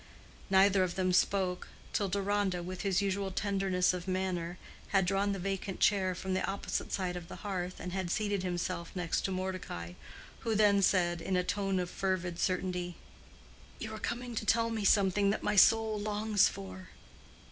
Neither of them spoke, till Deronda, with his usual tenderness of manner, had drawn the vacant chair from the opposite side of the hearth and had seated himself near to Mordecai, who then said, in a tone of fervid certainty, "You are coming to tell me something that my soul longs for."